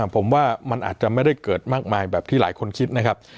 ผมว่ามันอาจจะไม่ได้เกิดมากมายแบบที่หลายคนคิดนะครับ